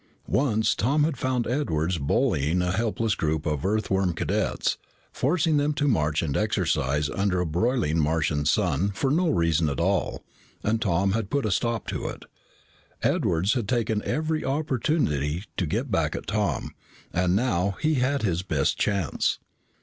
Once, Tom had found Edwards bullying a helpless group of Earthworm cadets, forcing them to march and exercise under a broiling Martian sun for no reason at all, and Tom had put a stop to it. Edwards had taken every opportunity to get back at Tom, and now he had his best chance.